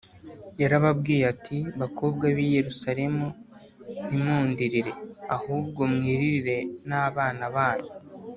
yarababwiye ati, “bakobwa b’i yerusalemu, ntimundirire, ahubwo mwiririre n’abana banyu